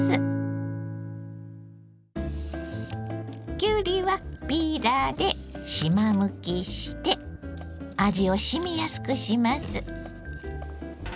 きゅうりはピーラーでしまむきして味をしみやすくします。